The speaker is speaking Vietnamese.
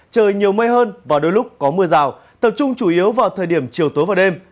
trời nhiều mây hơn và đôi lúc có mưa rào tập trung chủ yếu vào thời điểm chiều tối và đêm